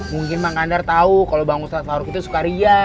mungkin bang kandar tau kalo bang ustadz farouk itu suka riak